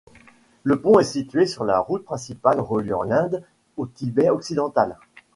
Le pont est situé sur la route principale reliant l'Inde au Tibet occidental.